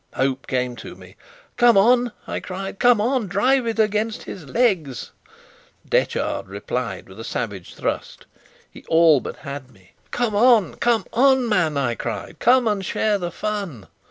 Hope came to me. "Come on!" I cried. "Come on! Drive it against his legs." Detchard replied with a savage thrust. He all but had me. "Come on! Come on, man!" I cried. "Come and share the fun!"